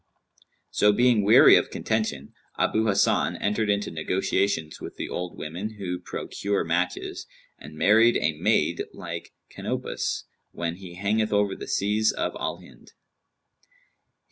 So being weary of contention, Abu Hasan entered into negotiations with the old women who procure matches, and married a maid like Canopus when he hangeth over the seas of Al Hind.